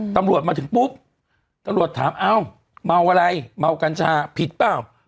ตำรวจมาถึงปุ๊บตำรวจถามเอ้าเมาอะไรเมากัญชาผิดเปล่า